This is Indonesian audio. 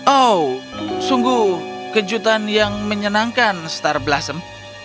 oh sungguh kejutan yang menyenangkan star blossom